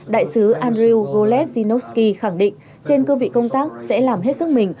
đại sứ andrew golet zzinovsky khẳng định trên cơ vị công tác sẽ làm hết sức mình